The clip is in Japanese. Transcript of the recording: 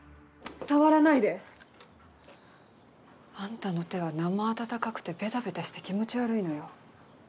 触らないで。あんたの手は生温かくてべたべたして気持ち悪いのよ。